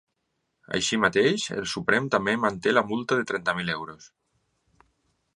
Així mateix, el Suprem també manté la multa de trenta mil euros.